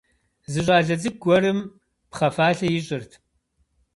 Зы щӏалэ цӏыкӏу гуэрым пхъэ фалъэ ищӏырт.